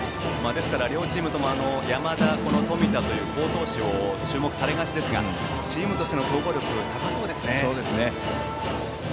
ですから、両チームとも山田、冨田という好投手に注目されがちですがチームとしての総合力が高そうですね。